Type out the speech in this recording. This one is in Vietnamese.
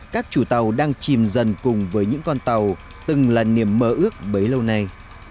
các chủ tàu đang chìm dần cùng với những con tàu từng là niềm mơ ước bấy lâu nay